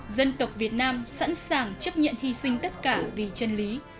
dân tộc việt nam sẵn sàng chấp nhận hy sinh tất cả vì chân lý